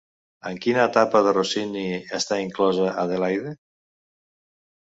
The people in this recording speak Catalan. En quina etapa de Rossini està inclosa Adelaide?